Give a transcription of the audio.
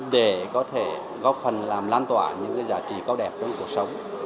để có thể góp phần làm lan tỏa những giá trị cao đẹp trong cuộc sống